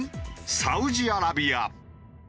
サウジアラビア。